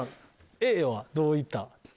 Ａはどういった？